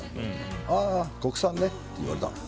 ああ国産ねって言われたの。